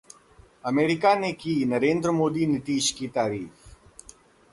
America ने की नरेंद्र मोदी-नीतीश की तारीफ